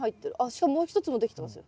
しかももう一つもできてますよ。